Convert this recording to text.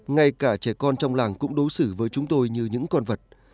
ngay cả trẻ con trong làng cũng đối xử với chúng tôi như những con vật